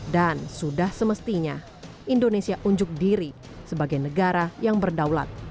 dan sudah semestinya indonesia unjuk diri sebagai negara yang berdaulat